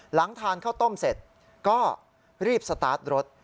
หลังทานข้าวต้มเสร็จก็รีบสตาร์ทรถ